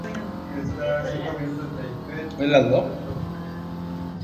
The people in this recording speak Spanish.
Quería superar ese momento donde se abría el show.